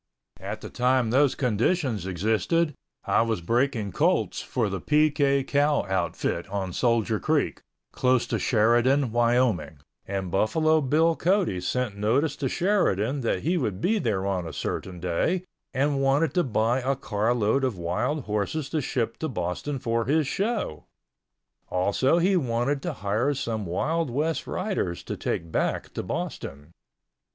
At the time those conditions existed, I was breaking colts for the PK Cow outfit on Soldier Creek, close to Sheridan, Wyoming, and Buffalo Bill Cody sent notice to Sheridan that he would be there on a certain day and wanted to buy a carload of wild horses to ship to Boston for his show, also he wanted to hire some Wild West riders to take back to Boston.